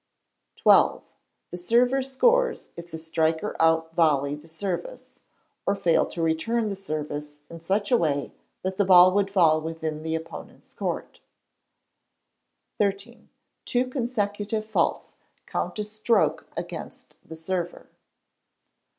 xii. The server scores if the striker out volley the service, or fail to return the service in such a way that the ball would fall within the opponents' court. xiii. Two consecutive faults count a stroke against the server.